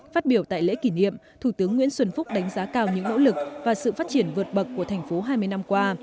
phát biểu tại lễ kỷ niệm thủ tướng nguyễn xuân phúc đánh giá cao những nỗ lực và sự phát triển vượt bậc của thành phố hai mươi năm qua